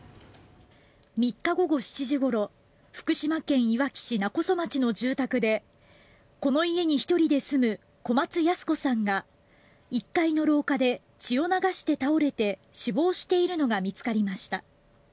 ３日午後７時ごろ福島県いわき市勿来町の住宅でこの家に１人で住む小松ヤス子さんが１階の廊下で血を流して倒れて死亡しているのが見つかりました。